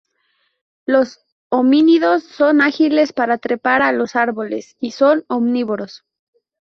Los homínidos son ágiles para trepar a los árboles y son omnívoros.